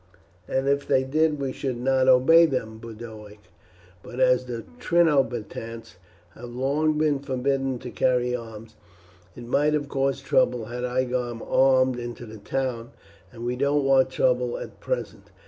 "And if they did we should not obey them, Boduoc; but as the Trinobantes have long been forbidden to carry arms, it might have caused trouble had I gone armed into the town, and we don't want trouble at present.